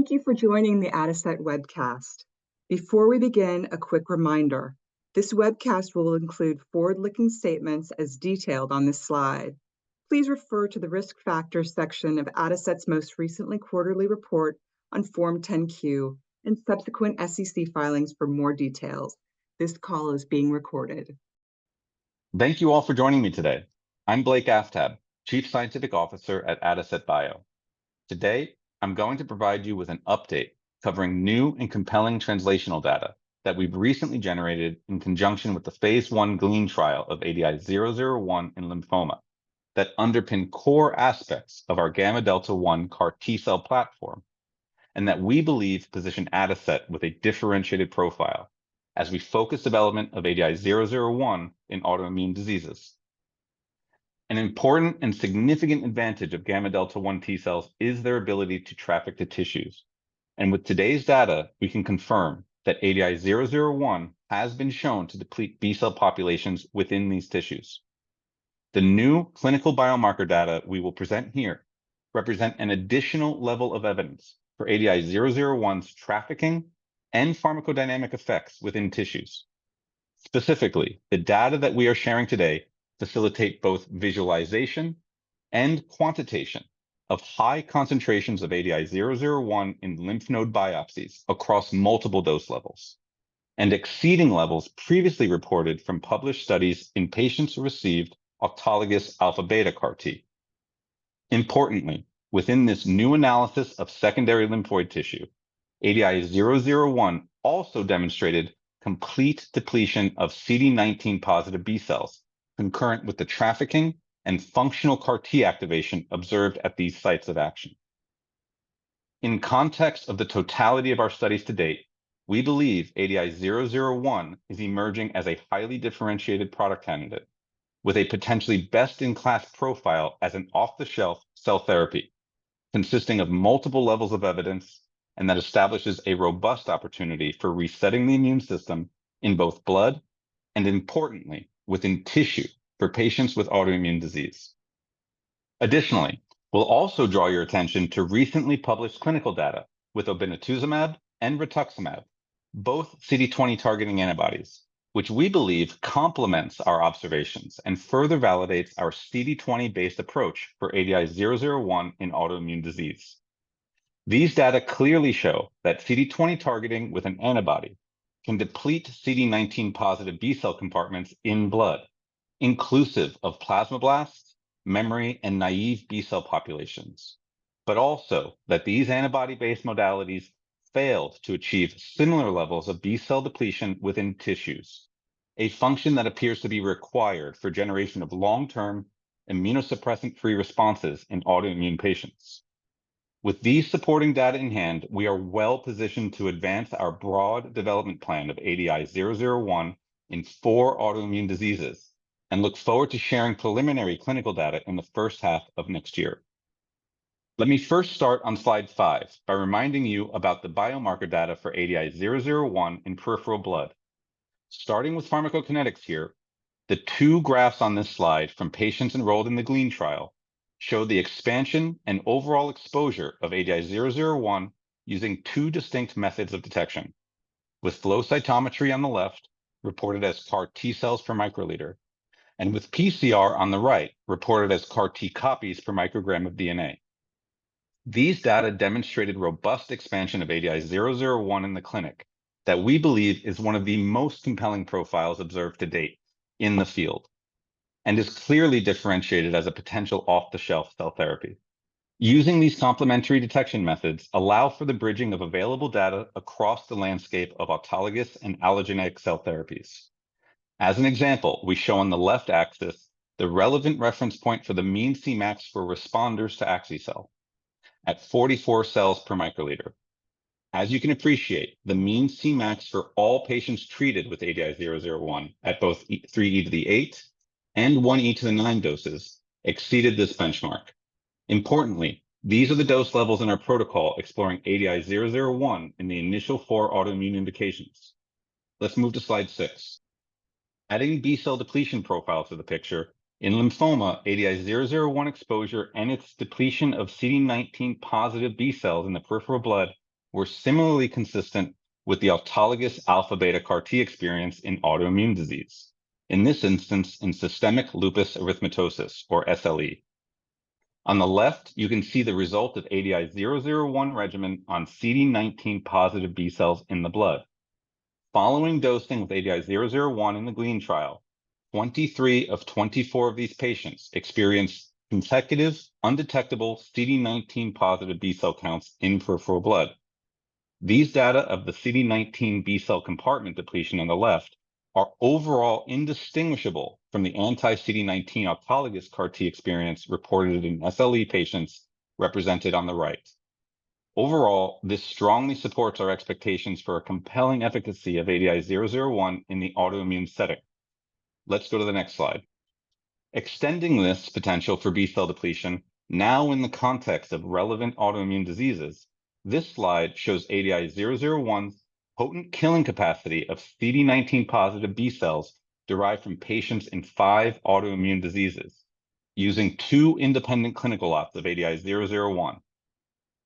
Thank you for joining the Adicet webcast. Before we begin, a quick reminder: This webcast will include forward-looking statements as detailed on this slide. Please refer to the Risk Factors section of Adicet's most recent quarterly report on Form 10-Q and subsequent SEC filings for more details. This call is being recorded. Thank you all for joining me today. I'm Blake Aftab, Chief Scientific Officer at Adicet Bio. Today, I'm going to provide you with an update covering new and compelling translational data that we've recently generated in conjunction with the phase I GLEAN trial of ADI-001 in lymphoma, that underpin core aspects of our gamma delta 1 CAR T cell platform, and that we believe position Adicet with a differentiated profile as we focus development of ADI-001 in autoimmune diseases. An important and significant advantage of gamma delta 1 T cells is their ability to traffic to tissues, and with today's data, we can confirm that ADI-001 has been shown to deplete B-cell populations within these tissues. The new clinical biomarker data we will present here represent an additional level of evidence for ADI-001's trafficking and pharmacodynamic effects within tissues. Specifically, the data that we are sharing today facilitate both visualization and quantitation of high concentrations of ADI-001 in lymph node biopsies across multiple dose levels, and exceeding levels previously reported from published studies in patients who received autologous alpha-beta CAR T. Importantly, within this new analysis of secondary lymphoid tissue, ADI-001 also demonstrated complete depletion of CD19-positive B cells, concurrent with the trafficking and functional CAR T activation observed at these sites of action. In context of the totality of our studies to date, we believe ADI-001 is emerging as a highly differentiated product candidate with a potentially best-in-class profile as an off-the-shelf cell therapy, consisting of multiple levels of evidence, and that establishes a robust opportunity for resetting the immune system in both blood and, importantly, within tissue for patients with autoimmune disease. Additionally, we'll also draw your attention to recently published clinical data with obinutuzumab and rituximab, both CD20-targeting antibodies, which we believe complements our observations and further validates our CD20-based approach for ADI-001 in autoimmune disease. These data clearly show that CD20 targeting with an antibody can deplete CD19-positive B-cell compartments in blood, inclusive of plasmablast, memory, and naive B-cell populations, but also, that these antibody-based modalities failed to achieve similar levels of B-cell depletion within tissues, a function that appears to be required for generation of long-term immunosuppressant-free responses in autoimmune patients. With these supporting data in hand, we are well-positioned to advance our broad development plan of ADI-001 in four autoimmune diseases, and look forward to sharing preliminary clinical data in the first half of next year. Let me first start on slide five by reminding you about the biomarker data for ADI-001 in peripheral blood. Starting with pharmacokinetics here, the two graphs on this slide from patients enrolled in the GLEAN trial show the expansion and overall exposure of ADI-001 using two distinct methods of detection. With flow cytometry on the left, reported as CAR T cells per microliter, and with PCR on the right, reported as CAR T copies per microgram of DNA. These data demonstrated robust expansion of ADI-001 in the clinic, that we believe is one of the most compelling profiles observed to date in the field, and is clearly differentiated as a potential off-the-shelf cell therapy. Using these complementary detection methods allow for the bridging of available data across the landscape of autologous and allogeneic cell therapies. As an example, we show on the left axis the relevant reference point for the mean Cmax for responders to axi-cel, at 44 cells per microliter. As you can appreciate, the mean Cmax for all patients treated with ADI-001 at both 3E8 and 1E9 doses exceeded this benchmark. Importantly, these are the dose levels in our protocol exploring ADI-001 in the initial four autoimmune indications. Let's move to slide six. Adding B-cell depletion profile to the picture, in lymphoma, ADI-001 exposure and its depletion of CD19-positive B cells in the peripheral blood were similarly consistent with the autologous alpha-beta CAR T experience in autoimmune disease. In this instance, in systemic lupus erythematosus, or SLE. On the left, you can see the result of ADI-001 regimen on CD19-positive B cells in the blood. Following dosing with ADI-001 in the GLEAN trial, 23 of 24 of these patients experienced consecutive undetectable CD19-positive B cell counts in peripheral blood. These data of the CD19 B-cell compartment depletion on the left are overall indistinguishable from the anti-CD19 autologous CAR T experience reported in SLE patients, represented on the right. Overall, this strongly supports our expectations for a compelling efficacy of ADI-001 in the autoimmune setting. Let's go to the next slide. Extending this potential for B-cell depletion, now in the context of relevant autoimmune diseases, this slide shows ADI-001's potent killing capacity of CD19-positive B cells derived from patients in five autoimmune diseases, using two independent clinical lots of ADI-001.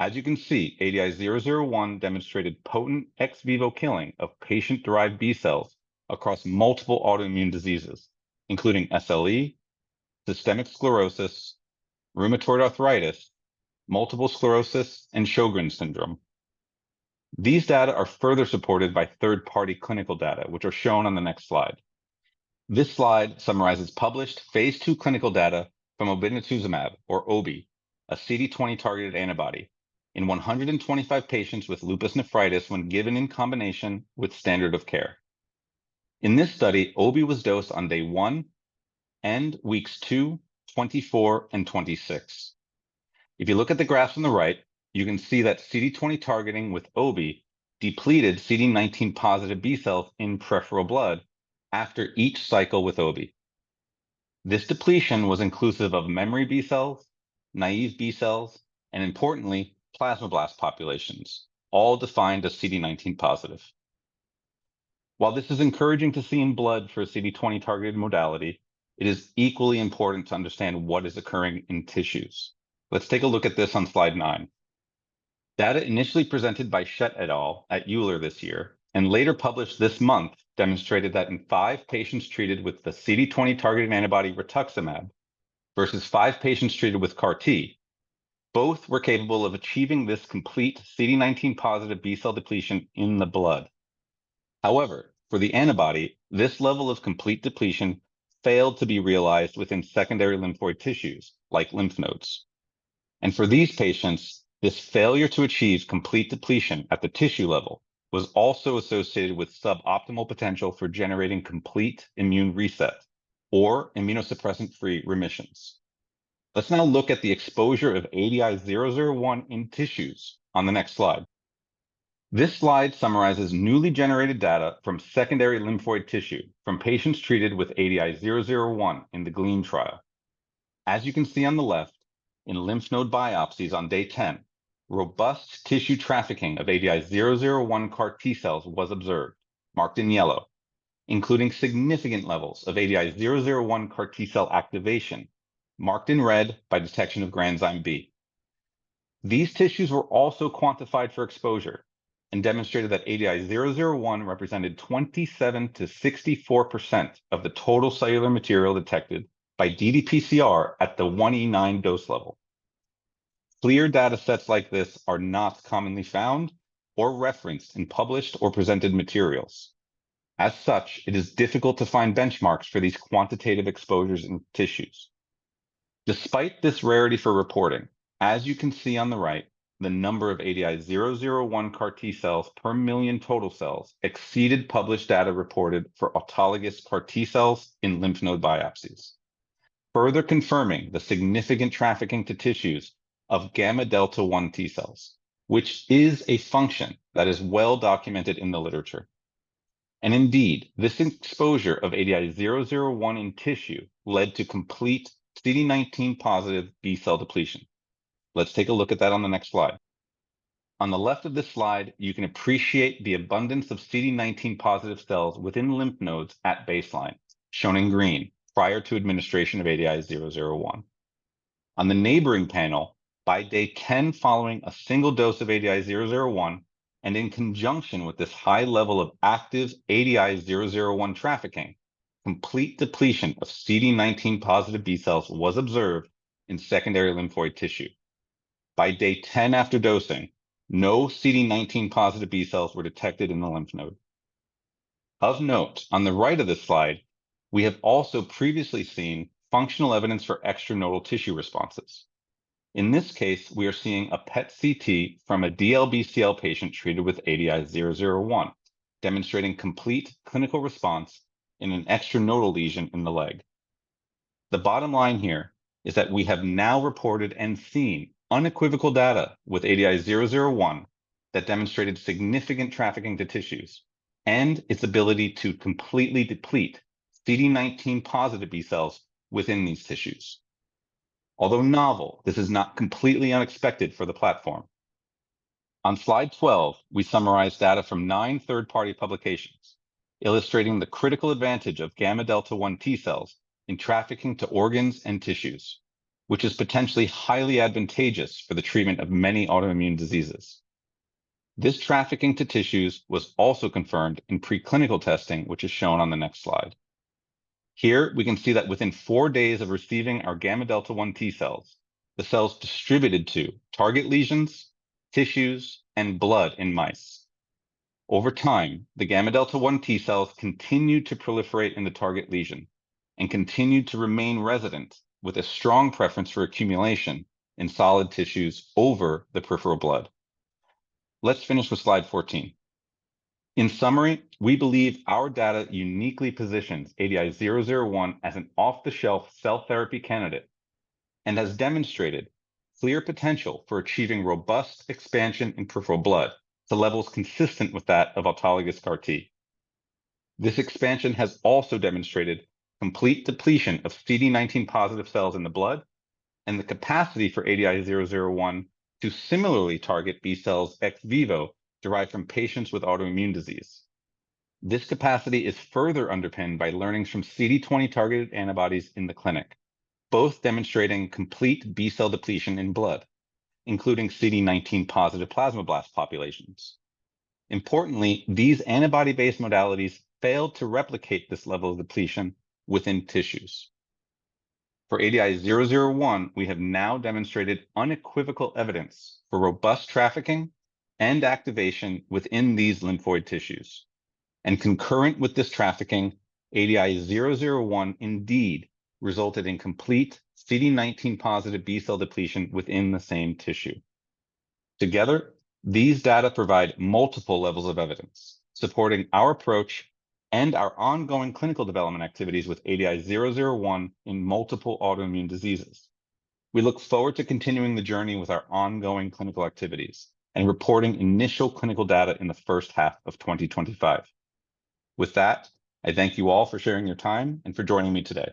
As you can see, ADI-001 demonstrated potent ex vivo killing of patient-derived B-cells across multiple autoimmune diseases, including SLE, systemic sclerosis, rheumatoid arthritis, multiple sclerosis, and Sjögren's syndrome. These data are further supported by third-party clinical data, which are shown on the next slide. This slide summarizes published phase II clinical data from obinutuzumab, or obi, a CD20-targeted antibody in 125 patients with lupus nephritis when given in combination with standard of care. In this study, obi was dosed on day one and weeks 2, 24, and 26. If you look at the graph on the right, you can see that CD20 targeting with obi depleted CD19-positive B-cells in peripheral blood after each cycle with obi. This depletion was inclusive of memory B-cells, naive B-cells, and importantly, plasmablast populations, all defined as CD19-positive. While this is encouraging to see in blood for a CD20-targeted modality, it is equally important to understand what is occurring in tissues. Let's take a look at this on Slide nine. Data initially presented by Schett et al. at EULAR this year, and later published this month, demonstrated that in five patients treated with the CD20 targeting antibody rituximab versus five patients treated with CAR-T, both were capable of achieving this complete CD19-positive B-cell depletion in the blood. However, for the antibody, this level of complete depletion failed to be realized within secondary lymphoid tissues, like lymph nodes, and for these patients, this failure to achieve complete depletion at the tissue level was also associated with suboptimal potential for generating complete immune reset or immunosuppressant-free remissions. Let's now look at the exposure of ADI-001 in tissues on the next slide. This slide summarizes newly generated data from secondary lymphoid tissue from patients treated with ADI-001 in the GLEAN trial. As you can see on the left, in lymph node biopsies on day 10, robust tissue trafficking of ADI-001 CAR T cells was observed, marked in yellow, including significant levels of ADI-001 CAR T cell activation, marked in red by detection of granzyme B. These tissues were also quantified for exposure and demonstrated that ADI-001 represented 27%-64% of the total cellular material detected by ddPCR at the 1E9 dose level. Clear data sets like this are not commonly found or referenced in published or presented materials. As such, it is difficult to find benchmarks for these quantitative exposures in tissues. Despite this rarity for reporting, as you can see on the right, the number of ADI-001 CAR T cells per million total cells exceeded published data reported for autologous CAR T cells in lymph node biopsies, further confirming the significant trafficking to tissues of gamma delta 1 T cells, which is a function that is well documented in the literature, and indeed, this exposure of ADI-001 in tissue led to complete CD19-positive B-cell depletion. Let's take a look at that on the next slide. On the left of this slide, you can appreciate the abundance of CD19-positive cells within lymph nodes at baseline, shown in green, prior to administration of ADI-001. On the neighboring panel, by day 10, following a single dose of ADI-001, and in conjunction with this high level of active ADI-001 trafficking, complete depletion of CD19-positive B-cells was observed in secondary lymphoid tissue. By day 10 after dosing, no CD19-positive B-cells were detected in the lymph node. Of note, on the right of this slide, we have also previously seen functional evidence for extranodal tissue responses. In this case, we are seeing a PET-CT from a DLBCL patient treated with ADI-001, demonstrating complete clinical response in an extranodal lesion in the leg. The bottom line here is that we have now reported and seen unequivocal data with ADI-001 that demonstrated significant trafficking to tissues and its ability to completely deplete CD19-positive B-cells within these tissues. Although novel, this is not completely unexpected for the platform. On slide 12, we summarize data from nine third-party publications, illustrating the critical advantage of gamma delta 1 T cells in trafficking to organs and tissues, which is potentially highly advantageous for the treatment of many autoimmune diseases. This trafficking to tissues was also confirmed in preclinical testing, which is shown on the next slide. Here, we can see that within four days of receiving our gamma delta 1 T cells, the cells distributed to target lesions, tissues, and blood in mice. Over time, the gamma delta 1 T cells continued to proliferate in the target lesion and continued to remain resident, with a strong preference for accumulation in solid tissues over the peripheral blood. Let's finish with Slide 14. In summary, we believe our data uniquely positions ADI-001 as an off-the-shelf cell therapy candidate and has demonstrated clear potential for achieving robust expansion in peripheral blood to levels consistent with that of autologous CAR T. This expansion has also demonstrated complete depletion of CD19-positive cells in the blood and the capacity for ADI-001 to similarly target B-cells ex vivo, derived from patients with autoimmune disease. This capacity is further underpinned by learnings from CD20 targeted antibodies in the clinic, both demonstrating complete B-cell depletion in blood, including CD19-positive plasmablast populations. Importantly, these antibody-based modalities failed to replicate this level of depletion within tissues. For ADI-001, we have now demonstrated unequivocal evidence for robust trafficking and activation within these lymphoid tissues, and concurrent with this trafficking, ADI-001 indeed resulted in complete CD19-positive B-cell depletion within the same tissue. Together, these data provide multiple levels of evidence supporting our approach and our ongoing clinical development activities with ADI-001 in multiple autoimmune diseases. We look forward to continuing the journey with our ongoing clinical activities and reporting initial clinical data in the first half of 2025. With that, I thank you all for sharing your time and for joining me today.